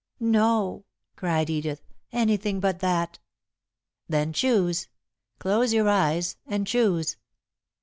"No," cried Edith. "Anything but that!" "Then choose. Close your eyes, and choose."